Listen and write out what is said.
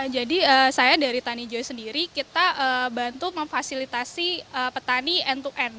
jadi saya dari tani joy sendiri kita bantu memfasilitasi petani end to end